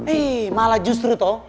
eh malah justru toh